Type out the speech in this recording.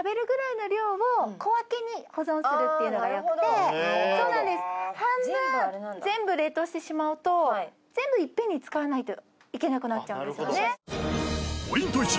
なるほどそうなんです半分全部冷凍してしまうと全部いっぺんに使わないといけなくなっちゃうんですよね